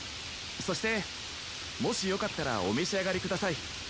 そしてもしよかったらおめしあがりください。